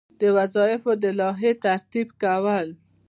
د وظایفو د لایحې ترتیب کول.